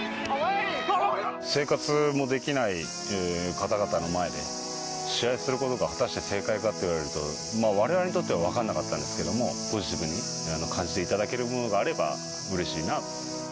生活もできない方々の前で、試合することが果たして正解かといわれると、われわれにとっては分からなかったんですけれども、ポジティブに感じていただけることがあれば、うれしいなと。